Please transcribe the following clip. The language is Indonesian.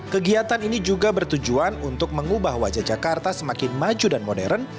kegiatan ini juga bertujuan untuk mengubah wajah jakarta semakin maju dan modern